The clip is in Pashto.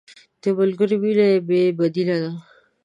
د ملګري مینه بې بدیله ده.